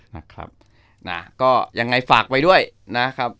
นะครับนะก็ยังไงฝากไว้ด้วยนะครับ